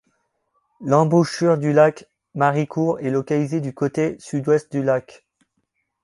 L’embouchure du lac Maricourt est localisée du côté Sud-Ouest du lac.